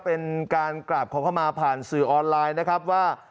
เป็นการกราบขอเข้ามาผ่านสื่อออนไลน์นะครับว่า